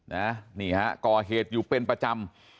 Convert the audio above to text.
นี่ฮะก่อเหตุอยู่เป็นประจำ